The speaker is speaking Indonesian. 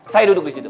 saya duduk di situ